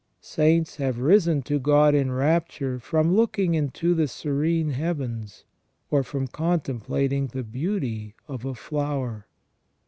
Saints have risen to God in rapture from looking into the serene heavens, or from comtemplating the beauty of a flower.